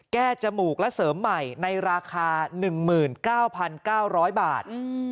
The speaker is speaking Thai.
จมูกและเสริมใหม่ในราคา๑๙๙๐๐บาท